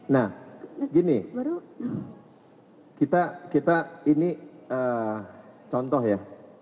nah gini kita ini contoh ya